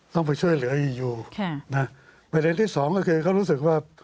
ต้องไปช่วยเหลืออยู่ประเด็นที่สองก็คือเขารู้สึกว่า